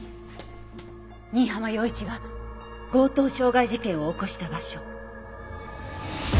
新浜陽一が強盗傷害事件を起こした場所。